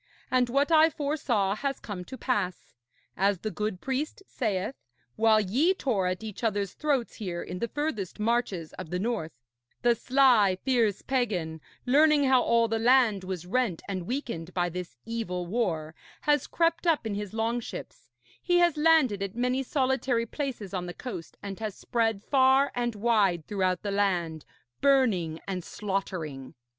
And what I foresaw has come to pass. As the good priest saith, while ye tore at each other's throats here in the furthest marches of the north, the sly, fierce pagan, learning how all the land was rent and weakened by this evil war, has crept up in his longships, he has landed at many solitary places on the coast, and has spread far and wide throughout the land, burning and slaughtering.